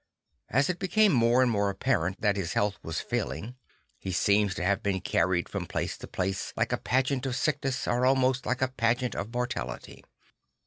As it became more and more apparent that his health was failing, he seems to have been carried from place to place like a pageant of sickness or almost like a pageant of mortality.